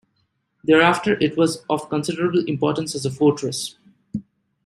Thereafter it was of considerable importance as a fortress.